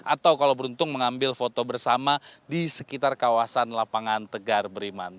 atau kalau beruntung mengambil foto bersama di sekitar kawasan lapangan tegar beriman